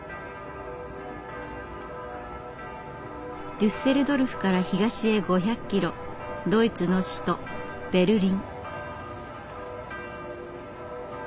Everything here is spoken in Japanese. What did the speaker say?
デュッセルドルフから東へ５００キロドイツの首都ベルリン。